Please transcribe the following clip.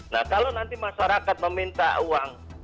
nah kalau nanti masyarakat meminta uang